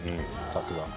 さすが。